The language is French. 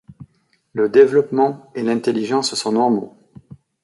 Le développement et l'intelligence sont normaux.